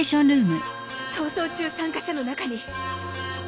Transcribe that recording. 逃走中参加者の中に。